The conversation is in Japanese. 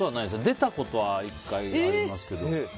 出たことは１回ありますけど。